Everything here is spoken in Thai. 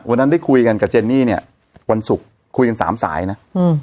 วันนั้นได้คุยกันกับเจนนี่เนี่ยวันศุกร์คุยกันสามสายนะอืม